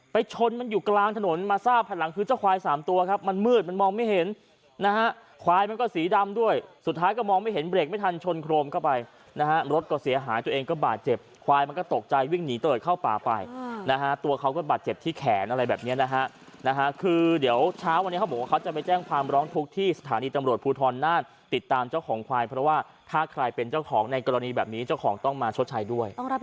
ผ่านหลังคือเจ้าควายสามตัวครับมันมืดมันมองไม่เห็นนะฮะควายมันก็สีดำด้วยสุดท้ายก็มองไม่เห็นเบรกไม่ทันชนโครมเข้าไปนะฮะรถก็เสียหายตัวเองก็บาดเจ็บควายมันก็ตกใจวิ่งหนีเติดเข้าป่าไปนะฮะตัวเขาก็บาดเจ็บที่แขนอะไรแบบเนี้ยนะฮะนะฮะคือเดี๋ยวเช้าวันนี้เขาบอกว่าเขาจะไปแจ้งคว